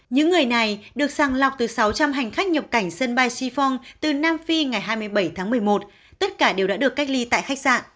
những người này được sàng lọc từ sáu trăm linh hành khách nhập cảnh sân bay sifung từ nam phi ngày hai mươi bảy tháng một mươi một tất cả đều đã được cách ly tại khách sạn